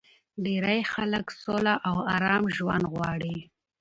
ډېری خلک سوله او ارام ژوند غواړي